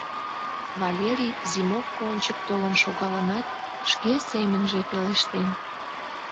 Валерий зимовко ончык толын шогалынат, шке семынже пелештен: